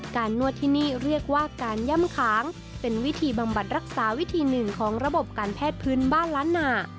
นวดที่นี่เรียกว่าการย่ำขางเป็นวิธีบำบัดรักษาวิธีหนึ่งของระบบการแพทย์พื้นบ้านล้านหนา